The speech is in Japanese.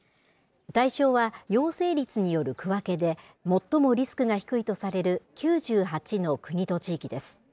対象は陽性率による区分けで、最もリスクが低いとされる９８の国と地域です。